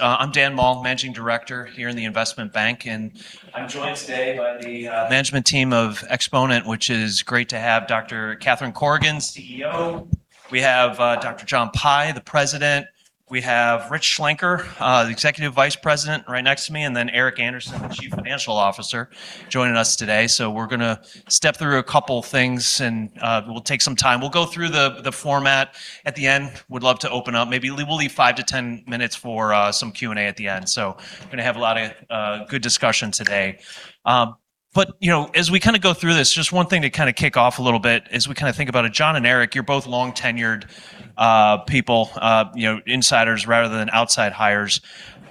I'm Dan Moll, Managing Director here in the investment bank, and I'm joined today by the management team of Exponent, which is great to have Dr. Catherine Corrigan, CEO. We have Dr. John Pye, the President. We have Rich Schlenker, the Executive Vice President right next to me, and then Eric Anderson, the Chief Financial Officer joining us today. We're going to step through a couple of things and we'll take some time. We'll go through the format. At the end, would love to open up. Maybe we'll leave 5-10 minutes for some Q&A at the end. Going to have a lot of good discussion today. As we go through this, just one thing to kick off a little bit as we think about it, John and Eric, you're both long-tenured people, insiders rather than outside hires.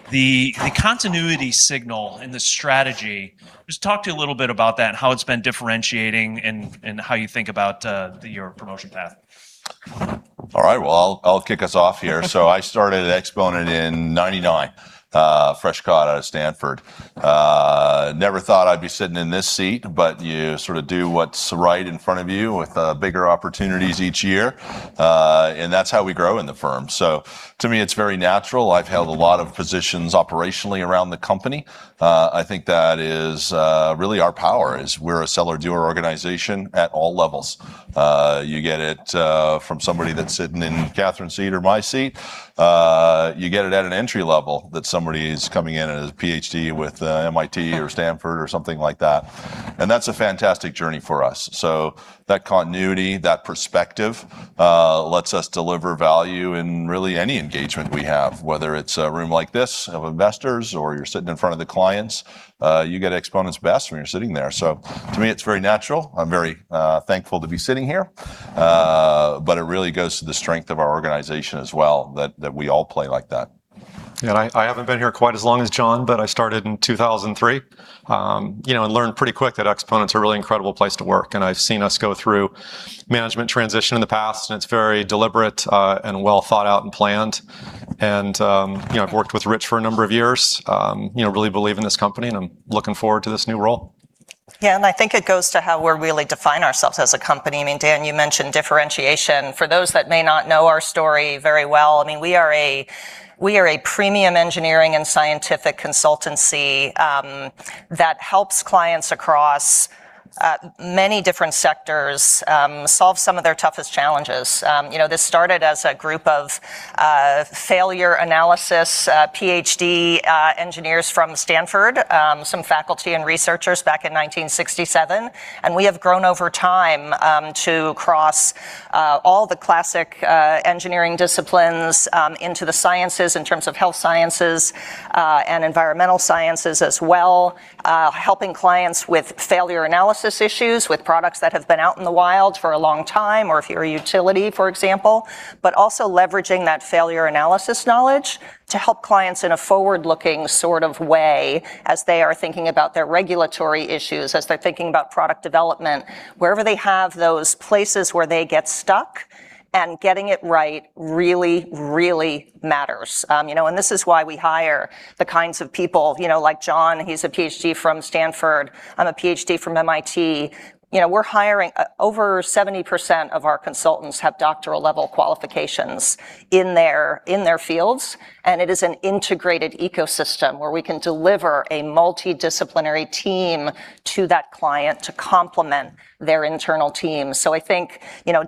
The continuity signal and the strategy, just talk to a little bit about that and how it's been differentiating and how you think about your promotion path. All right. Well, I'll kick us off here. I started at Exponent in 1999, fresh out of Stanford. Never thought I'd be sitting in this seat, you sort of do what's right in front of you with bigger opportunities each year. That's how we grow in the firm. To me, it's very natural. I've held a lot of positions operationally around the company. I think that is really our power is we're a seller/doer organization at all levels. You get it from somebody that's sitting in Catherine's seat or my seat. You get it at an entry level that somebody is coming in as a PhD with MIT or Stanford or something like that's a fantastic journey for us. That continuity, that perspective, lets us deliver value in really any engagement we have, whether it's a room like this of investors or you're sitting in front of the clients. You get Exponent's best when you're sitting there. To me, it's very natural. I'm very thankful to be sitting here. It really goes to the strength of our organization as well that we all play like that. I haven't been here quite as long as John, but I started in 2003. Learned pretty quick that Exponent's a really incredible place to work. I've seen us go through management transition in the past, and it's very deliberate and well thought out and planned. I've worked with Rich for a number of years, really believe in this company, and I'm looking forward to this new role. Yeah, I think it goes to how we really define ourselves as a company. Dan, you mentioned differentiation. For those that may not know our story very well, we are a premium engineering and scientific consultancy that helps clients across many different sectors solve some of their toughest challenges. This started as a group of failure analysis PhD engineers from Stanford, some faculty and researchers back in 1967, we have grown over time to cross all the classic engineering disciplines into the sciences in terms of health sciences and environmental sciences as well. Helping clients with failure analysis issues, with products that have been out in the wild for a long time, or if you're a utility, for example, also leveraging that failure analysis knowledge to help clients in a forward-looking sort of way as they are thinking about their regulatory issues, as they're thinking about product development. Wherever they have those places where they get stuck and getting it right really, really matters. This is why we hire the kinds of people like John, he's a PhD from Stanford. I'm a PhD from MIT. Over 70% of our consultants have doctoral-level qualifications in their fields, it is an integrated ecosystem where we can deliver a multidisciplinary team to that client to complement their internal team. I think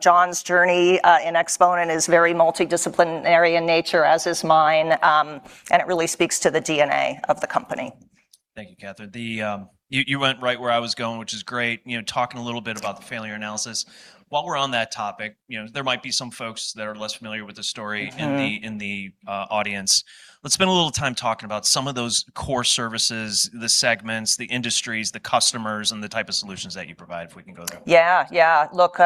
John's journey in Exponent is very multidisciplinary in nature, as is mine, it really speaks to the DNA of the company. Thank you, Catherine. You went right where I was going, which is great, talking a little bit about the failure analysis. While we're on that topic, there might be some folks that are less familiar with the story in the audience. Let's spend a little time talking about some of those core services, the segments, the industries, the customers, and the type of solutions that you provide, if we can go there. Yeah. Look,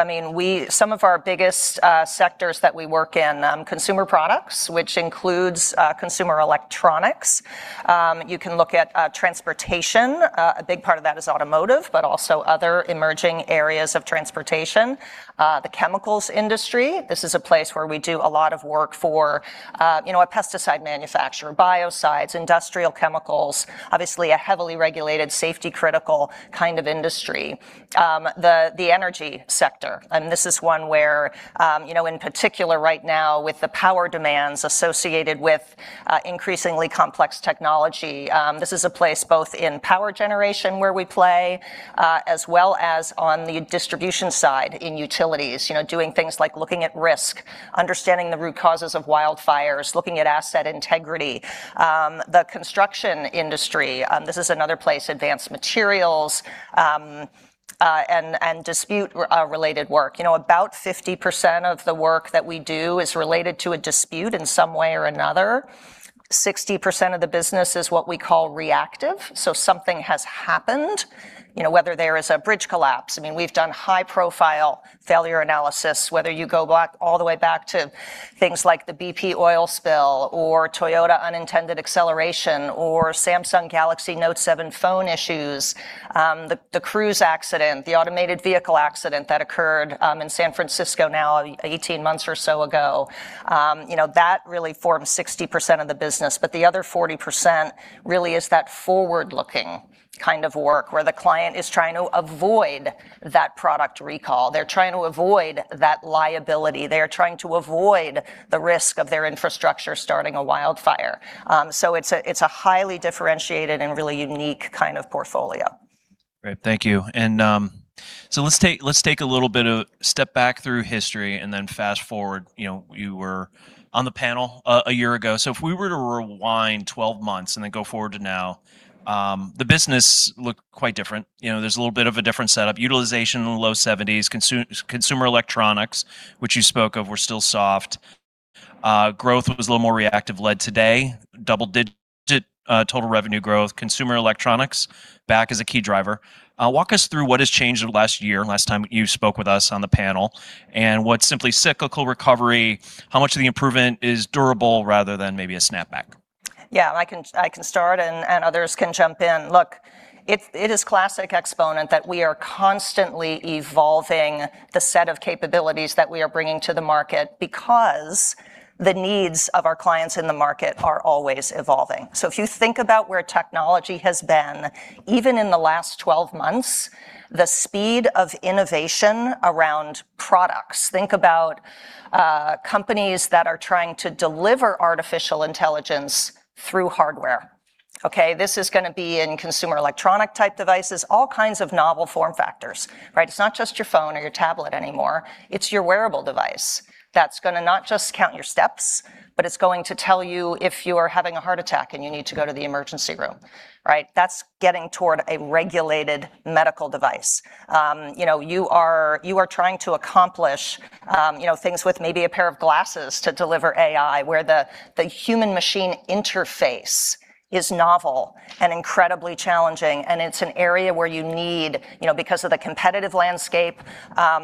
some of our biggest sectors that we work in, consumer products, which includes consumer electronics. You can look at transportation. A big part of that is automotive, but also other emerging areas of transportation. The chemicals industry, this is a place where we do a lot of work for a pesticide manufacturer, biocides, industrial chemicals, obviously a heavily regulated safety critical kind of industry. The energy sector, this is one where, in particular right now with the power demands associated with increasingly complex technology, this is a place both in power generation where we play, as well as on the distribution side in utilities, doing things like looking at risk, understanding the root causes of wildfires, looking at asset integrity. The construction industry. This is another place, advanced materials, dispute related work. About 50% of the work that we do is related to a dispute in some way or another. 60% of the business is what we call reactive, something has happened, whether there is a bridge collapse. We've done high profile failure analysis, whether you go all the way back to things like the BP oil spill or Toyota unintended acceleration, or Samsung Galaxy Note7 phone issues. The Cruise accident, the automated vehicle accident that occurred in San Francisco now 18 months or so ago. That really forms 60% of the business, but the other 40% really is that forward-looking kind of work where the client is trying to avoid that product recall. They're trying to avoid that liability. They are trying to avoid the risk of their infrastructure starting a wildfire. It's a highly differentiated and really unique kind of portfolio. Great. Thank you. Let's take a little bit of a step back through history and then fast-forward. You were on the panel a year ago. If we were to rewind 12 months and then go forward to now, the business looked quite different. There's a little bit of a different setup. Utilization in the low 70s. Consumer electronics, which you spoke of, were still soft. Growth was a little more reactive led today, double-digit total revenue growth, consumer electronics back as a key driver. Walk us through what has changed over the last year, last time you spoke with us on the panel, and what's simply cyclical recovery, how much of the improvement is durable rather than maybe a snapback? Yeah, I can start and others can jump in. Look, it is classic Exponent that we are constantly evolving the set of capabilities that we are bringing to the market because the needs of our clients in the market are always evolving. If you think about where technology has been, even in the last 12 months, the speed of innovation around products. Think about companies that are trying to deliver artificial intelligence through hardware. Okay? This is going to be in consumer electronic-type devices, all kinds of novel form factors. Right? It's not just your phone or your tablet anymore, it's your wearable device that's going to not just count your steps, but it's going to tell you if you are having a heart attack and you need to go to the emergency room. Right? That's getting toward a regulated medical device. You are trying to accomplish things with maybe a pair of glasses to deliver AI, where the human-machine interface is novel and incredibly challenging, and it's an area where you need, because of the competitive landscape,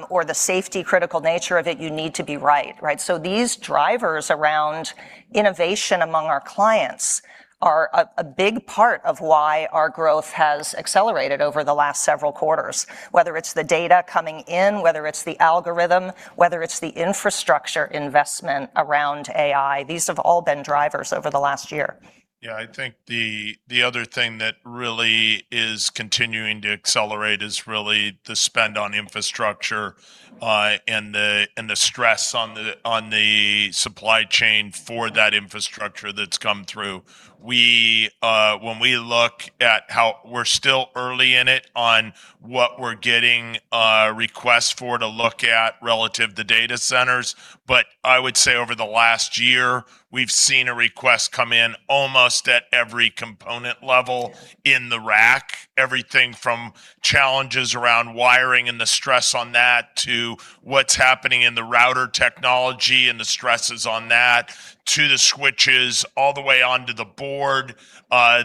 or the safety critical nature of it, you need to be right. Right? These drivers around innovation among our clients are a big part of why our growth has accelerated over the last several quarters. Whether it's the data coming in, whether it's the algorithm, whether it's the infrastructure investment around AI, these have all been drivers over the last year. Yeah, I think the other thing that really is continuing to accelerate is really the spend on infrastructure, and the stress on the supply chain for that infrastructure that's come through. When we look at how we're still early in it on what we're getting requests for to look at relative to data centers, but I would say over the last year, we've seen a request come in almost at every component level in the rack. Everything from challenges around wiring and the stress on that to what's happening in the router technology and the stresses on that, to the switches, all the way onto the board.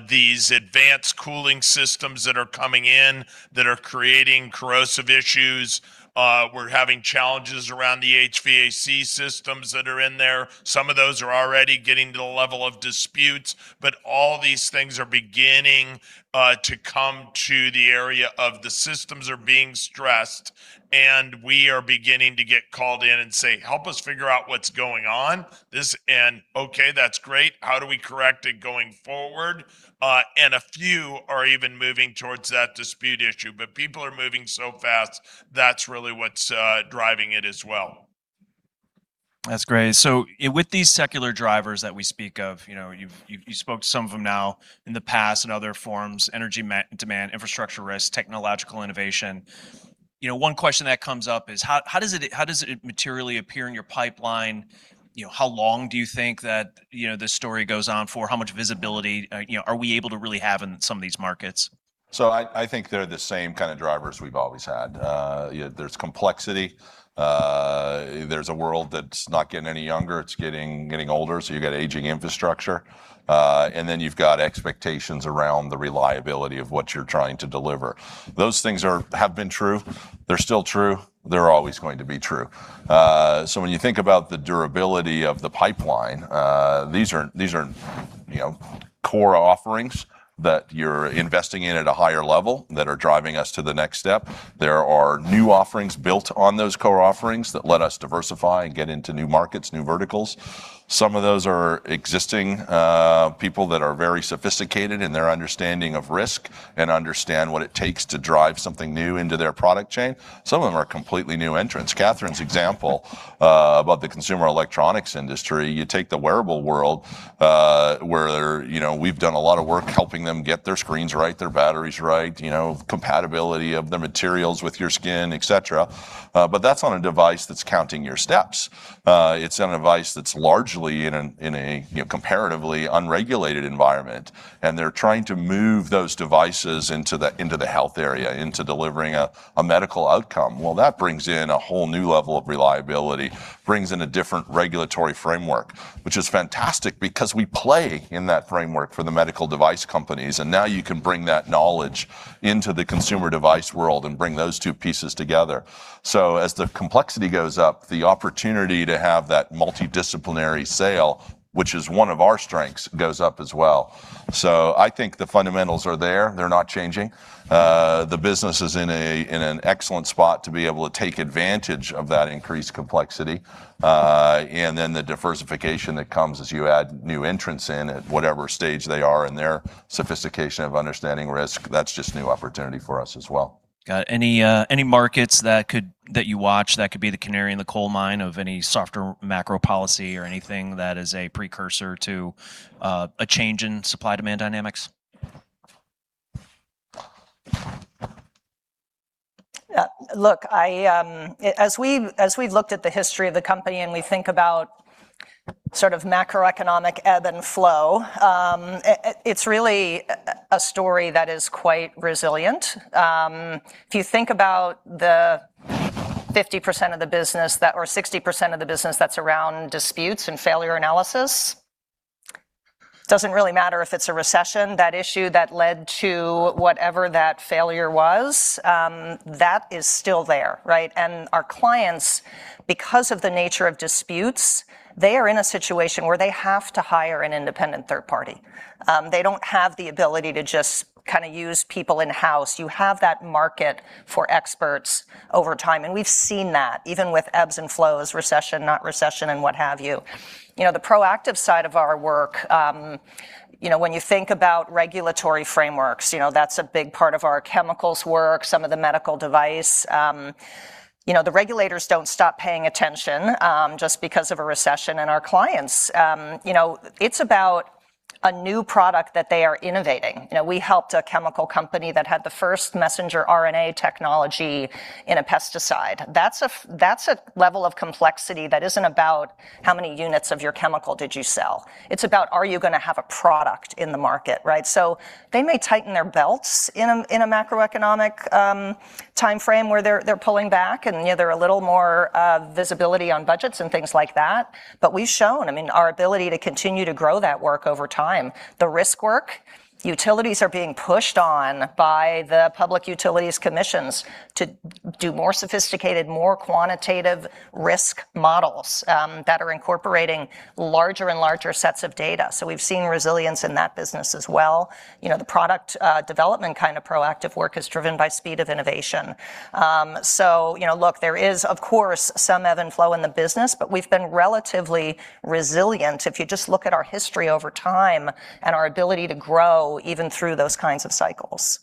These advanced cooling systems that are coming in that are creating corrosive issues. We're having challenges around the HVAC systems that are in there. Some of those are already getting to the level of disputes, all these things are beginning to come to the area of the systems are being stressed, and we are beginning to get called in and say, "Help us figure out what's going on." Okay, that's great. How do we correct it going forward? A few are even moving towards that dispute issue. People are moving so fast, that's really what's driving it as well. That's great. With these secular drivers that we speak of, you spoke to some of them now in the past, in other forms, energy demand, infrastructure risk, technological innovation. One question that comes up is how does it materially appear in your pipeline? How long do you think that this story goes on for? How much visibility are we able to really have in some of these markets? I think they're the same kind of drivers we've always had. There's complexity. There's a world that's not getting any younger, it's getting older, you've got aging infrastructure. You've got expectations around the reliability of what you're trying to deliver. Those things have been true. They're still true. They're always going to be true. When you think about the durability of the pipeline, these are core offerings that you're investing in at a higher level that are driving us to the next step. There are new offerings built on those core offerings that let us diversify and get into new markets, new verticals. Some of those are existing, people that are very sophisticated in their understanding of risk and understand what it takes to drive something new into their product chain. Some of them are completely new entrants. Catherine's example about the consumer electronics industry, you take the wearable world, where we've done a lot of work helping them get their screens right, their batteries right, compatibility of the materials with your skin, et cetera. That's on a device that's counting your steps. It's on a device that's largely in a comparatively unregulated environment, and they're trying to move those devices into the health area, into delivering a medical outcome. Well, that brings in a whole new level of reliability, brings in a different regulatory framework, which is fantastic because we play in that framework for the medical device companies, and now you can bring that knowledge into the consumer device world and bring those two pieces together. As the complexity goes up, the opportunity to have that multidisciplinary sale, which is one of our strengths, goes up as well. I think the fundamentals are there. They're not changing. The business is in an excellent spot to be able to take advantage of that increased complexity. The diversification that comes as you add new entrants in at whatever stage they are in their sophistication of understanding risk, that's just new opportunity for us as well. Got any markets that you watch that could be the canary in the coal mine of any softer macro policy or anything that is a precursor to a change in supply-demand dynamics? Look, as we've looked at the history of the company, we think about macroeconomic ebb and flow, it's really a story that is quite resilient. If you think about the 60% of the business that's around disputes and failure analysis, doesn't really matter if it's a recession, that issue that led to whatever that failure was, that is still there, right? Our clients, because of the nature of disputes, they are in a situation where they have to hire an independent third party. They don't have the ability to just use people in-house. You have that market for experts over time, and we've seen that even with ebbs and flows, recession, not recession, what have you. The proactive side of our work, when you think about regulatory frameworks, that's a big part of our chemicals work, some of the medical device. The regulators don't stop paying attention just because of a recession, our clients, it's about a new product that they are innovating. We helped a chemical company that had the first messenger RNA technology in a pesticide. That's a level of complexity that isn't about how many units of your chemical did you sell. It's about are you going to have a product in the market, right? They may tighten their belts in a macroeconomic timeframe where they're pulling back, there is a little more visibility on budgets and things like that. We've shown our ability to continue to grow that work over time. The risk work, utilities are being pushed on by the public utilities commissions to do more sophisticated, more quantitative risk models that are incorporating larger and larger sets of data. We've seen resilience in that business as well. The product development kind of proactive work is driven by speed of innovation. Look, there is, of course, some ebb and flow in the business, we've been relatively resilient if you just look at our history over time and our ability to grow even through those kinds of cycles.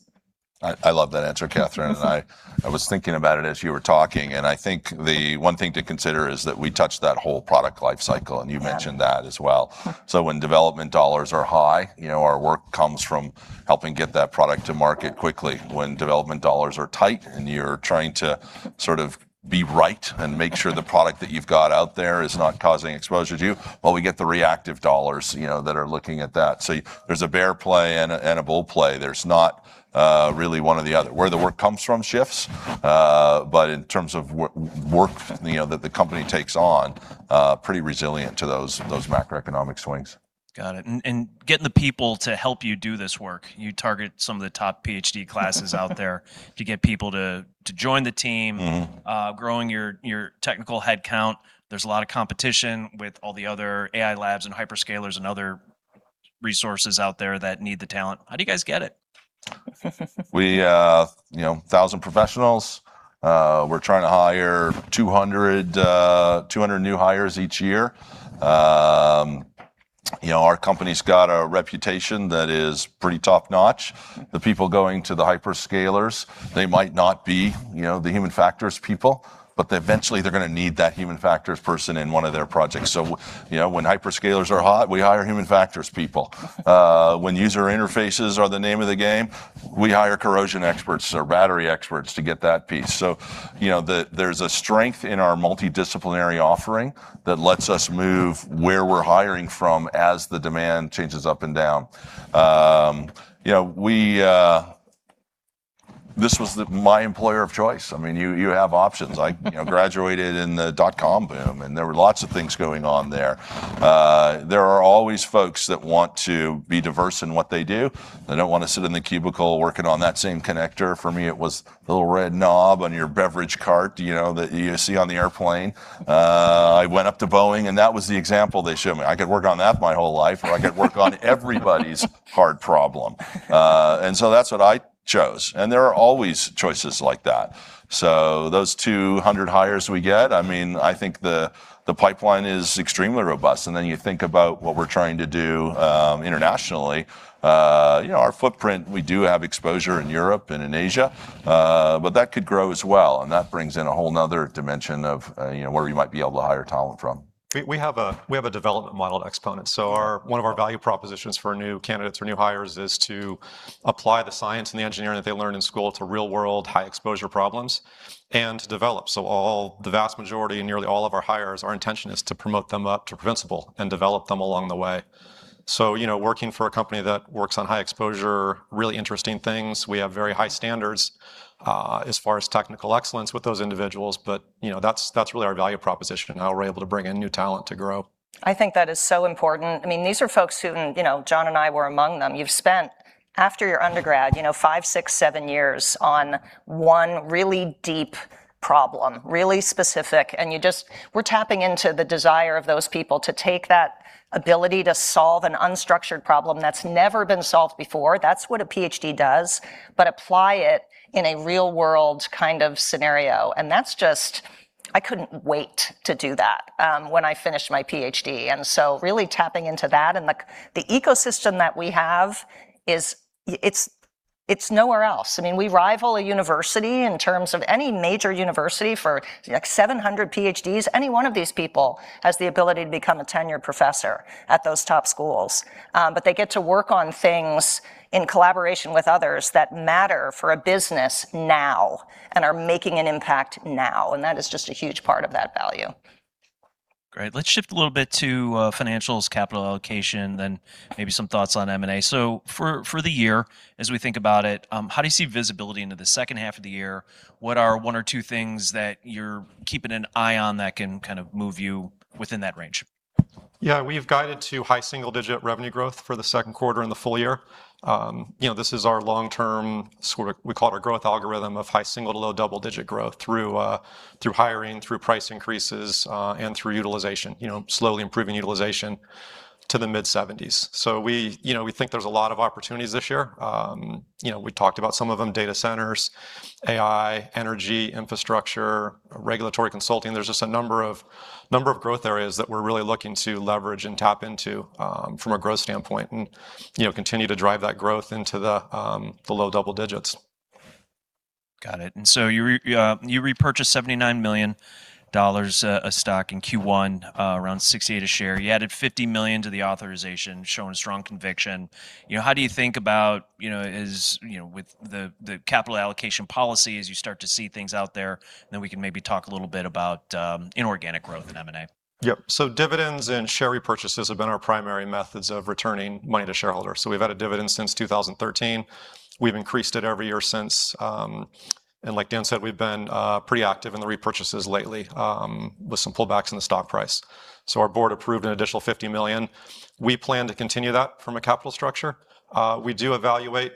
I love that answer, Catherine. I was thinking about it as you were talking, and I think the one thing to consider is that we touch that whole product life cycle, and you mentioned that as well. When development dollars are high, our work comes from helping get that product to market quickly. When development dollars are tight, and you're trying to be right and make sure the product that you've got out there is not causing exposure to you, well, we get the reactive dollars that are looking at that. There's a bear play and a bull play. There's not really one or the other. Where the work comes from shifts, but in terms of work that the company takes on, pretty resilient to those macroeconomic swings. Got it. Getting the people to help you do this work, you target some of the top PhD classes out there to get people to join the team. Growing your technical headcount. There's a lot of competition with all the other AI labs and hyperscalers and other resources out there that need the talent. How do you guys get it? We, 1,000 professionals, we're trying to hire 200 new hires each year. Our company's got a reputation that is pretty top-notch. The people going to the hyperscalers, they might not be the human factors people, but eventually they're going to need that human factors person in one of their projects. When hyperscalers are hot, we hire human factors people. When user interfaces are the name of the game, we hire corrosion experts or battery experts to get that piece. There's a strength in our multidisciplinary offering that lets us move where we're hiring from as the demand changes up and down. This was my employer of choice. You have options. I graduated in the dot-com boom, and there were lots of things going on there. There are always folks that want to be diverse in what they do. They don't want to sit in the cubicle working on that same connector. For me, it was the little red knob on your beverage cart that you see on the airplane. I went up to Boeing, and that was the example they showed me. I could work on that my whole life, or I could work on everybody's hard problem. That's what I chose, and there are always choices like that. Those 200 hires we get, I think the pipeline is extremely robust, and then you think about what we're trying to do internationally. Our footprint, we do have exposure in Europe and in Asia. That could grow as well, and that brings in a whole another dimension of where we might be able to hire talent from. We have a development model at Exponent. One of our value propositions for new candidates or new hires is to apply the science and the engineering that they learn in school to real-world, high-exposure problems and to develop. The vast majority and nearly all of our hires, our intention is to promote them up to principal and develop them along the way. Working for a company that works on high-exposure, really interesting things. We have very high standards as far as technical excellence with those individuals, but that's really our value proposition and how we're able to bring in new talent to grow. I think that is so important. These are folks who, John and I were among them, you've spent after your undergrad, five, six, seven years on one really deep problem, really specific. We're tapping into the desire of those people to take that ability to solve an unstructured problem that's never been solved before, that's what a PhD does, but apply it in a real-world kind of scenario. I couldn't wait to do that when I finished my PhD. Really tapping into that and the ecosystem that we have is it's nowhere else. We rival a university in terms of any major university for 700 PhDs. Any one of these people has the ability to become a tenured professor at those top schools. They get to work on things in collaboration with others that matter for a business now and are making an impact now, and that is just a huge part of that value. Great. Let's shift a little bit to financials, capital allocation, then maybe some thoughts on M&A. For the year, as we think about it, how do you see visibility into the second half of the year? What are one or two things that you're keeping an eye on that can move you within that range? We've guided to high single-digit revenue growth for the second quarter and the full year. This is our long-term, we call it our growth algorithm of high single to low double-digit growth through hiring, through price increases, and through utilization. Slowly improving utilization to the mid-70s. We think there's a lot of opportunities this year. We talked about some of them, data centers, AI, energy infrastructure, regulatory consulting. There's just a number of growth areas that we're really looking to leverage and tap into from a growth standpoint and continue to drive that growth into the low double digits. Got it. You repurchased $79 million of stock in Q1, around $6.80 a share. You added $50 million to the authorization, showing strong conviction. How do you think about, with the capital allocation policy, as you start to see things out there, and then we can maybe talk a little bit about inorganic growth and M&A. Yep. Dividends and share repurchases have been our primary methods of returning money to shareholders. We've had a dividend since 2013. We've increased it every year since. Like Dan said, we've been pretty active in the repurchases lately with some pullbacks in the stock price. Our board approved an additional $50 million. We plan to continue that from a capital structure. We do evaluate.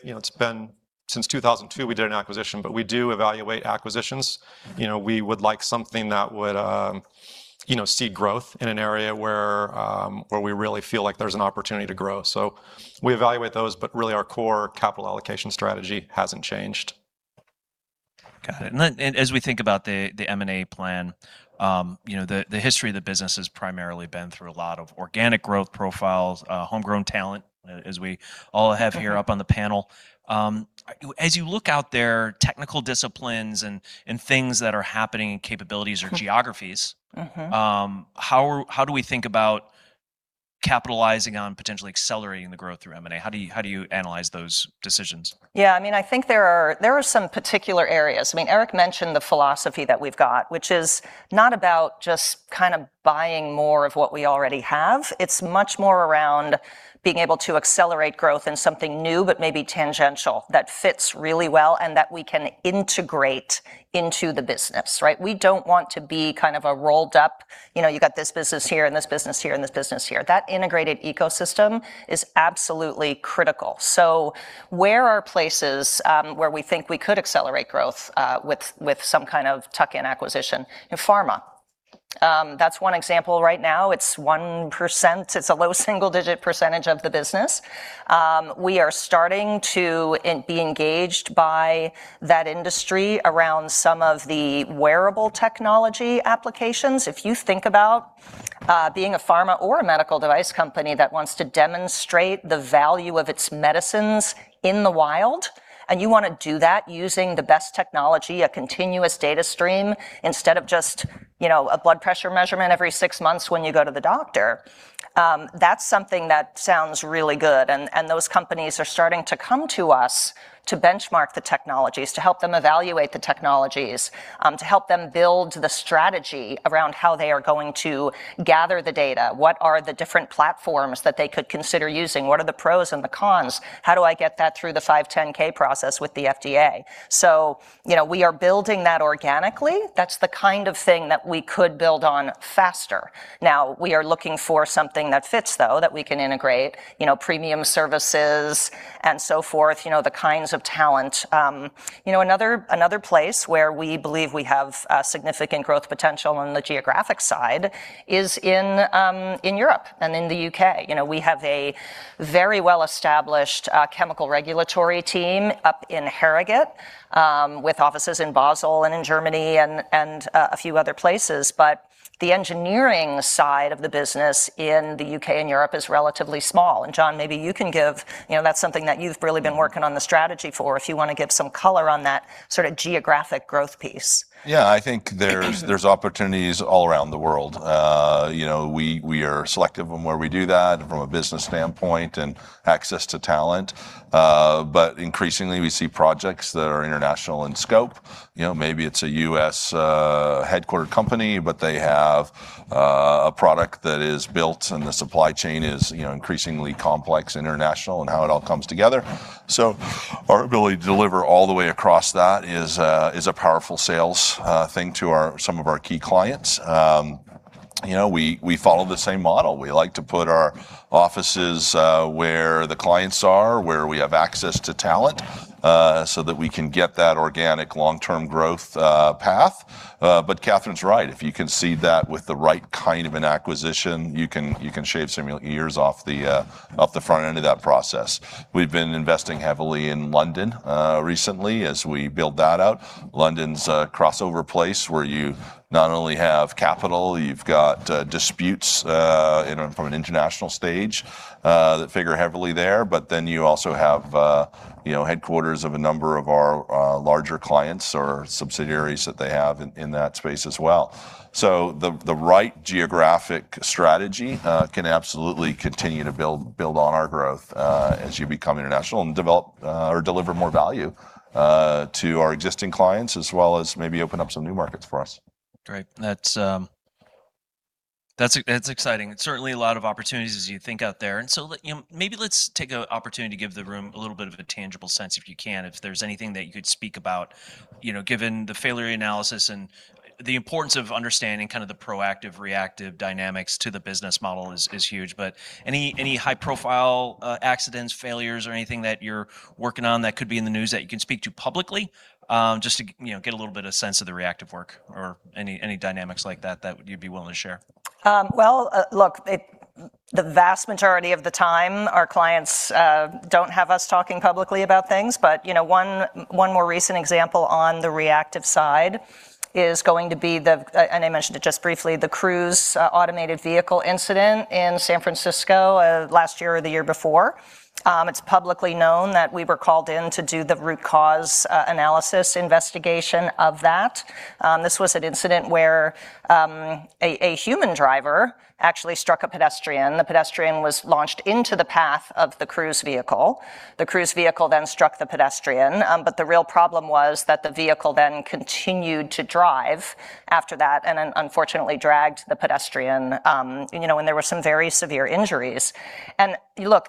Since 2002, we did an acquisition, but we do evaluate acquisitions. We would like something that would seed growth in an area where we really feel like there's an opportunity to grow. We evaluate those, but really our core capital allocation strategy hasn't changed. Got it. As we think about the M&A plan, the history of the business has primarily been through a lot of organic growth profiles, homegrown talent, as we all have here up on the panel. As you look out there, technical disciplines and things that are happening in capabilities or geographies- How do we think about capitalizing on potentially accelerating the growth through M&A? How do you analyze those decisions? Yeah, I think there are some particular areas. Eric mentioned the philosophy that we've got, which is not about just buying more of what we already have. It's much more around being able to accelerate growth in something new but maybe tangential that fits really well and that we can integrate into the business, right? We don't want to be a rolled-up, you've got this business here and this business here and this business here. That integrated ecosystem is absolutely critical. Where are places where we think we could accelerate growth with some kind of tuck-in acquisition? In pharma. That's one example right now. It's 1%. It's a low single-digit percentage of the business. We are starting to be engaged by that industry around some of the wearable technology applications. If you think about being a pharma or a medical device company that wants to demonstrate the value of its medicines in the wild, you want to do that using the best technology, a continuous data stream, instead of just a blood pressure measurement every six months when you go to the doctor, that's something that sounds really good. Those companies are starting to come to us to benchmark the technologies, to help them evaluate the technologies, to help them build the strategy around how they are going to gather the data. What are the different platforms that they could consider using? What are the pros and the cons? How do I get that through the 510 process with the FDA? We are building that organically. That's the kind of thing that we could build on faster. Now, we are looking for something that fits, though, that we can integrate, premium services and so forth, the kinds of talent. Another place where we believe we have significant growth potential on the geographic side is in Europe and in the U.K. We have a very well-established chemical regulatory team up in Harrogate, with offices in Basel and in Germany and a few other places. The engineering side of the business in the U.K. and Europe is relatively small. John, that's something that you've really been working on the strategy for, if you want to give some color on that geographic growth piece. Yeah, I think there's opportunities all around the world. We are selective on where we do that and from a business standpoint and access to talent. Increasingly, we see projects that are international in scope. Maybe it's a U.S.-headquartered company, but they have a product that is built and the supply chain is increasingly complex, international in how it all comes together. Our ability to deliver all the way across that is a powerful sales thing to some of our key clients. We follow the same model. We like to put our offices where the clients are, where we have access to talent, so that we can get that organic long-term growth path. Catherine's right. If you can seed that with the right kind of an acquisition, you can shave some years off the front end of that process. We've been investing heavily in London recently as we build that out. London's a crossover place where you not only have capital, you've got disputes from an international stage that figure heavily there, but then you also have headquarters of a number of our larger clients or subsidiaries that they have in that space as well. The right geographic strategy can absolutely continue to build on our growth as you become international and deliver more value to our existing clients, as well as maybe open up some new markets for us. Great. That's exciting. Certainly a lot of opportunities as you think out there. Maybe let's take an opportunity to give the room a little bit of a tangible sense, if you can. If there's anything that you could speak about, given the failure analysis and the importance of understanding kind of the proactive, reactive dynamics to the business model is huge. Any high-profile accidents, failures, or anything that you're working on that could be in the news that you can speak to publicly? Just to get a little bit of sense of the reactive work or any dynamics like that that you'd be willing to share. Well, look, the vast majority of the time, our clients don't have us talking publicly about things. One more recent example on the reactive side is going to be the, I mentioned it just briefly, the Cruise automated vehicle incident in San Francisco last year or the year before. It's publicly known that we were called in to do the root cause analysis investigation of that. This was an incident where a human driver actually struck a pedestrian. The pedestrian was launched into the path of the Cruise vehicle. The Cruise vehicle then struck the pedestrian. The real problem was that the vehicle then continued to drive after that, and then unfortunately dragged the pedestrian, and there were some very severe injuries. Look,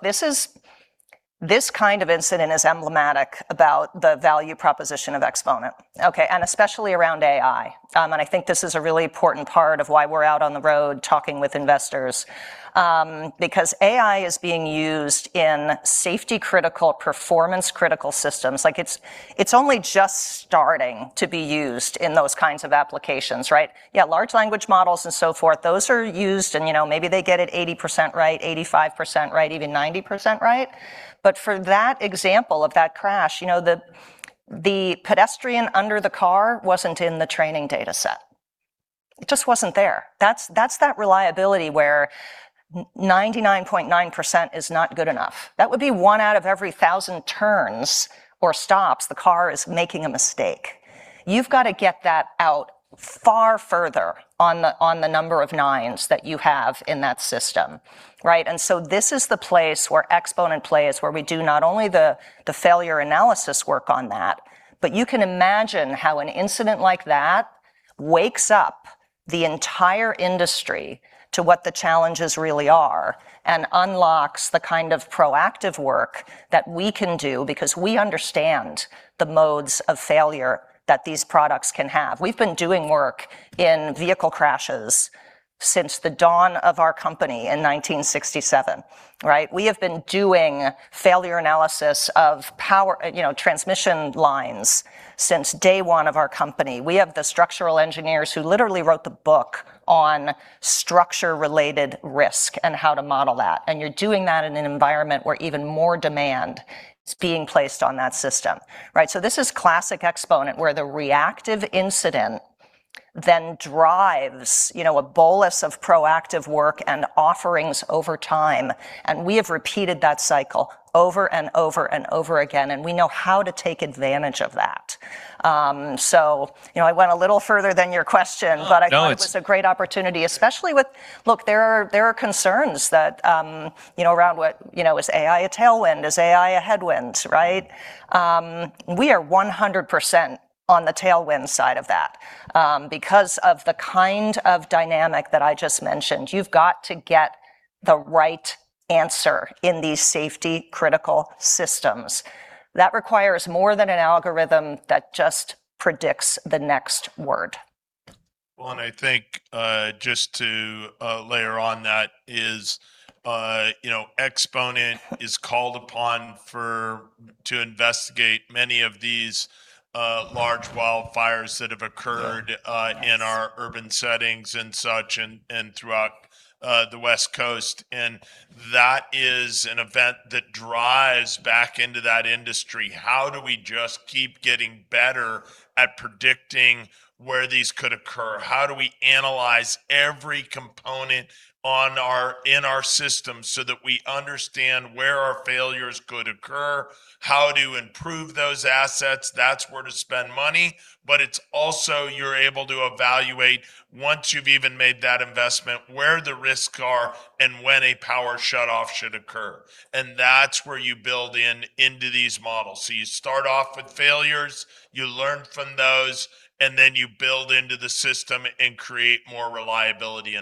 this kind of incident is emblematic about the value proposition of Exponent, okay? Especially around AI. I think this is a really important part of why we're out on the road talking with investors. Because AI is being used in safety-critical, performance-critical systems. It's only just starting to be used in those kinds of applications, right? Yeah, large language models and so forth, those are used, and maybe they get it 80% right, 85% right, even 90% right. For that example of that crash, the pedestrian under the car wasn't in the training data set. It just wasn't there. That's that reliability where 99.9% is not good enough. That would be one out of every 1,000 turns or stops, the car is making a mistake. You've got to get that out far further on the number of nines that you have in that system, right? This is the place where Exponent plays, where we do not only the failure analysis work on that, but you can also imagine how an incident like that wakes up the entire industry to what the challenges really are and unlocks the kind of proactive work that we can do because we understand the modes of failure that these products can have. We've been doing work in vehicle crashes since the dawn of our company in 1967, right? We have been doing failure analysis of transmission lines since day one of our company. We have the structural engineers who literally wrote the book on structure-related risk and how to model that. You're doing that in an environment where even more demand is being placed on that system, right? This is classic Exponent, where the reactive incident then drives a bolus of proactive work and offerings over time. We have repeated that cycle over and over and over again, and we know how to take advantage of that. I went a little further than your question. I thought it was a great opportunity, especially with Look, there are concerns around is AI a tailwind, is AI a headwind, right? We are 100% on the tailwind side of that. Because of the kind of dynamic that I just mentioned. You've got to get the right answer in these safety-critical systems. That requires more than an algorithm that just predicts the next word. Well, I think, just to layer on that is, Exponent is called upon to investigate many of these large wildfires that have occurred in our urban settings and such, and throughout the West Coast. That is an event that drives back into that industry. How do we just keep getting better at predicting where these could occur? How do we analyze every component in our system so that we understand where our failures could occur, how to improve those assets? That's where to spend money. It's also you're able to evaluate, once you've even made that investment, where the risks are and when a power shutoff should occur. That's where you build in into these models. You start off with failures, you learn from those, and then you build into the system and create more reliability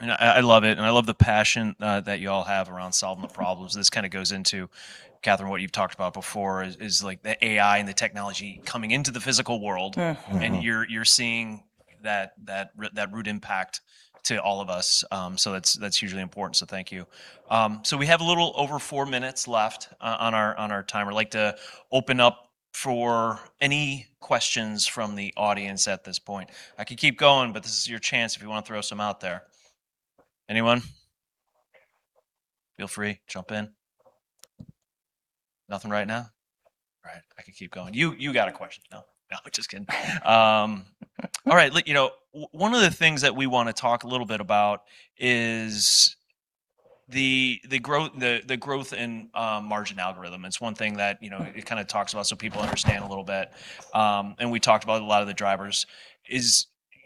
in the system. I love it. I love the passion that you all have around solving problems. This kind of goes into, Catherine, what you've talked about before is the AI and the technology coming into the physical world. You're seeing that root impact to all of us. That's hugely important, so thank you. We have a little over four minutes left on our timer. I'd like to open up for any questions from the audience at this point. I could keep going, but this is your chance if you want to throw some out there. Anyone? Feel free, jump in. Nothing right now? All right, I could keep going. You got a question. No. No, I'm just kidding. All right. One of the things that we want to talk a little bit about is the growth in margin algorithm. It's one thing that it kind of talks about so people understand a little bit. We talked about a lot of the drivers.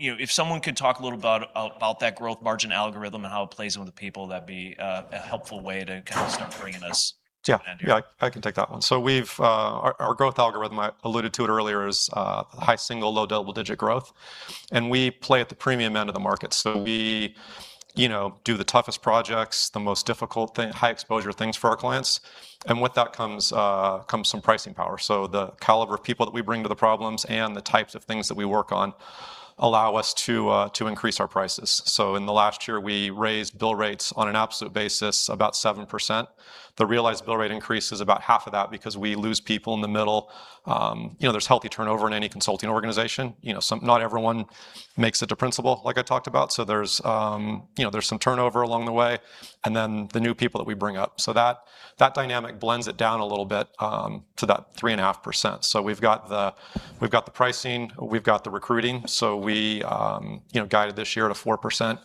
If someone could talk a little about that growth margin algorithm and how it plays in with the people, that'd be a helpful way to kind of start bringing us to an end here. Yeah, I can take that one. Our growth algorithm, I alluded to it earlier, is high single, low double-digit growth, and we play at the premium end of the market. We do the toughest projects, the most difficult thing, high-exposure things for our clients. With that comes some pricing power. The caliber of people that we bring to the problems and the types of things that we work on allow us to increase our prices. In the last year, we raised bill rates on an absolute basis about 7%. The realized bill rate increase is about half of that because we lose people in the middle. There's healthy turnover in any consulting organization. Not everyone makes it to principal, like I talked about, so there's some turnover along the way, and then the new people that we bring up. Those dynamic blends it down a little bit, to that 3.5%. We've got the pricing; we've got the recruiting. We guided this year at a 4%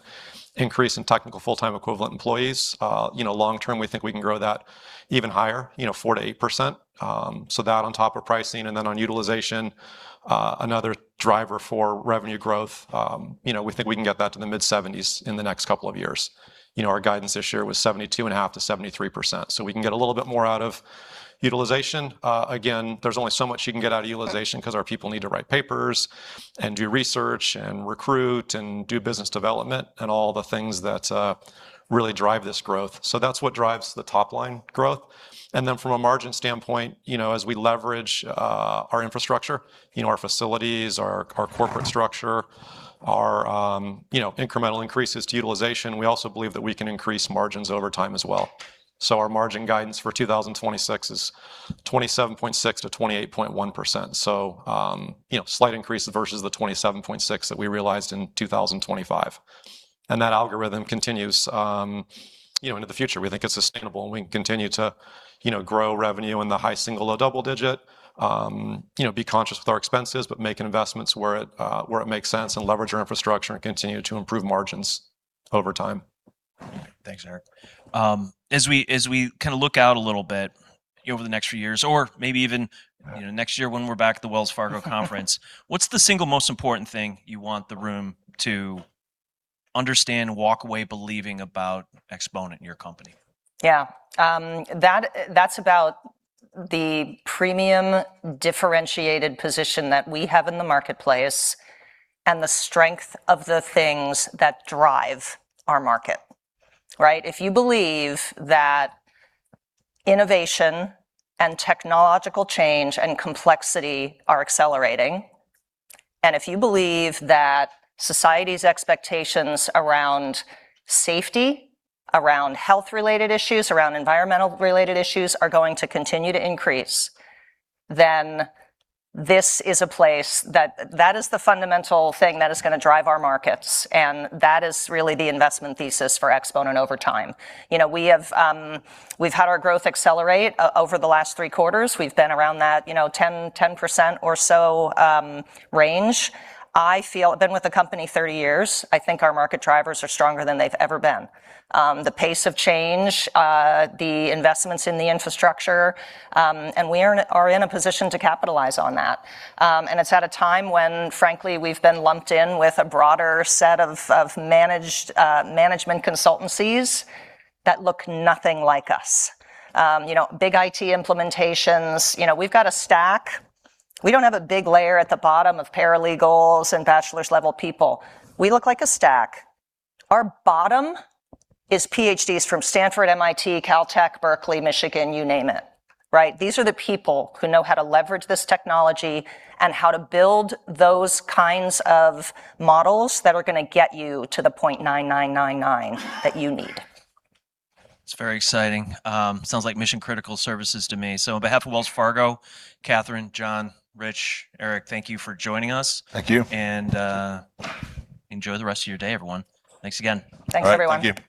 increase in technical full-time equivalent employees. Long term, we think we can grow that even higher, 4%-8%. That on top of pricing, and then on utilization, another driver for revenue growth. We think we can get that to the mid-70s in the next couple of years. Our guidance this year was 72.5%-73%. We can get a little bit more out of utilization. Again, there's only so much you can get out of utilization because our people need to write papers and do research and recruit and do business development and all the things that really drive this growth. That's what drives the top-line growth. Then from a margin standpoint, as we leverage our infrastructure, our facilities, our corporate structure, our incremental increases to utilization, we also believe that we can increase margins over time as well. Our margin guidance for 2026 is 27.6%-28.1%. Slight increase versus the 27.6% that we realized in 2025. That algorithm continues into the future. We think it's sustainable, and we can continue to grow revenue in the high single or double digit, be conscious with our expenses, but make investments where it makes sense and leverage our infrastructure and continue to improve margins over time. Thanks, Eric. As we kind of look out a little bit over the next few years or maybe even next year when we're back at the Wells Fargo conference, what's the single most important thing you want the room to understand and walk away believing about Exponent and your company? Yeah. That's about the premium differentiated position that we have in the marketplace and the strength of the things that drive our market. Right? If you believe that innovation and technological change and complexity are accelerating, and if you believe that society's expectations around safety, around health-related issues, around environmental-related issues, are going to continue to increase, then this is a place that is the fundamental thing that is going to drive our markets, and that is really the investment thesis for Exponent over time. We've had our growth accelerate over the last three quarters. We've been around that 10% or so range. I've been with the company 30 years. I think our market drivers are stronger than they've ever been. The pace of change, the investments in the infrastructure, we are in a position to capitalize on that. It's at a time when, frankly, we've been lumped in with a broader set of management consultancies that look nothing like us. Big IT implementations. We've got a stack. We don't have a big layer at the bottom of paralegals and bachelor's level people. We look like a stack. Our bottom is PhDs from Stanford, MIT, Caltech, Berkeley, Michigan, you name it. Right? These are the people who know how to leverage this technology and how to build those kinds of models that are going to get you to the .9999 that you need. It's very exciting. Sounds like mission-critical services to me. On behalf of Wells Fargo, Catherine, John, Rich, Eric, thank you for joining us. Thank you. Enjoy the rest of your day, everyone. Thanks again. Thanks, everyone. All right. Thank you.